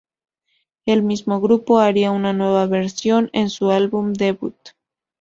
El mismo grupo haría una nueva versión en su álbum debut.